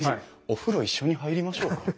「お風呂一緒に入りましょうか」？